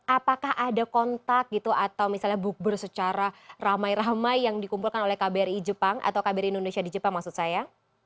apakah ada kontak gitu atau misalnya bukber secara ramai ramai yang dikumpulkan oleh kbri jepang atau kbri indonesia di jepang maksud saya